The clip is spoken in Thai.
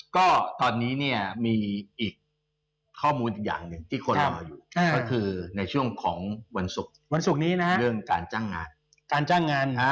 ก็ตอนนี้เนี่ยมีอีกข้อมูลอย่างหนึ่งที่คนรออยู่ก็คือในช่วงของวันศุกร์เรื่องการจ้างงาน